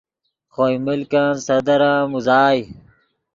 خوئے ملکن صدر ام اوزائے